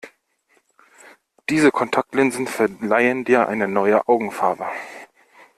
Diese Kontaktlinsen verleihen dir eine neue Augenfarbe.